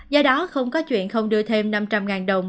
do đó không có chuyện không đưa thêm năm trăm linh đồng